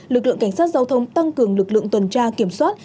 lực lượng cảnh sát giao thông tăng cường lực lượng tuần tra kiểm soát